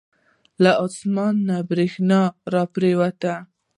له اسمان نه بریښنا را پریوتله.